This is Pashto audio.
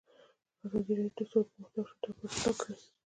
ازادي راډیو د سوله پرمختګ او شاتګ پرتله کړی.